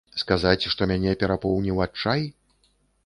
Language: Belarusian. Сказаць, што мяне перапоўніў адчай?